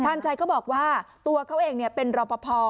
ชัยก็บอกว่าตัวเขาเองเป็นรอปภ